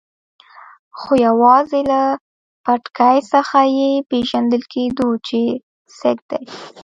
خو یوازې له پټکي څخه یې پېژندل کېدو چې سېک دی.